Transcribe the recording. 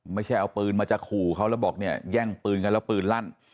ไม่ใช่เอาปืนมาจะขู่เขาแล้วบอกเนี่ยแย่งปืนกันแล้วปืนลั่น